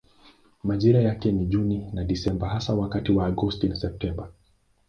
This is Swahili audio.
Majira yake ni Juni na Desemba hasa wakati wa Agosti na Septemba.